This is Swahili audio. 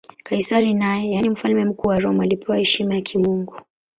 Kaisari naye, yaani Mfalme Mkuu wa Roma, alipewa heshima ya kimungu.